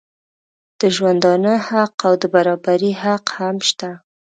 د ژوندانه حق او د برابري حق هم شته.